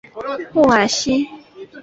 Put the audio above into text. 穆瓦西。